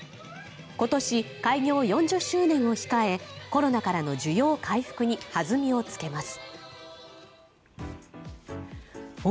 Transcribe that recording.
今年、開業４０周年を控えコロナからの需要回復にはずみをつけます。